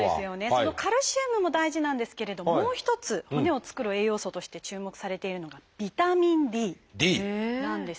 そのカルシウムも大事なんですけれどもう一つ骨を作る栄養素として注目されているのがビタミンＤなんです。